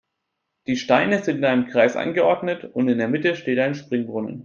Die Steine sind in einem Kreis angeordnet und in der Mitte steht ein Springbrunnen.